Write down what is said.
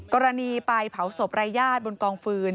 กรณีไปเผาศพรายญาติบนกองฟืน